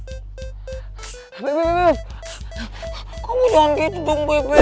bebep kamu jangan gitu dong bebep please